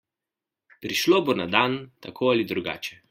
Prišlo bo na dan, tako ali drugače.